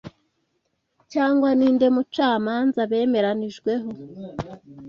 Cyangwa ninde mucamanza bemeranijweho